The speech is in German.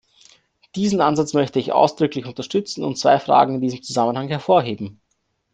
Diesen Ansatz möchte ich ausdrücklich unterstützen und zwei Fragen in diesem Zusammenhang hervorheben.